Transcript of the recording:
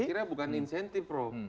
saya kira bukan insentif prof